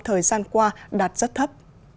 thời gian qua đạt rất thấp